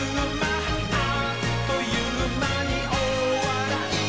「あっというまにおおわらい」